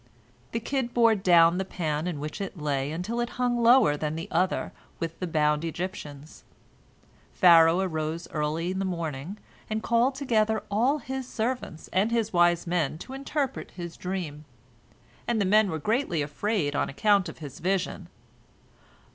The kid bore down the pan in which it lay until it hung lower than the other with the bound Egyptians. Pharaoh arose early in the morning, and called together all his servants and his wise men to interpret his dream, and the men were greatly afraid on account of his vision.